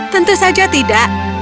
tentu saja tidak